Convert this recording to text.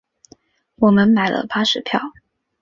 我们买了巴士票